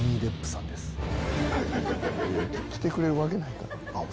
来てくれるわけないから。